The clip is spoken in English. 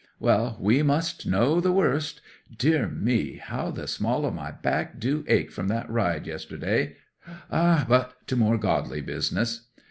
'"Well, we must know the worst! Dear me, how the small of my back do ache from that ride yesterday! ... But to more godly business!"